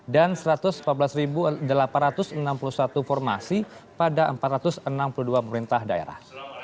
dan satu ratus empat belas delapan ratus enam puluh satu formasi pada empat ratus enam puluh dua pemerintah daerah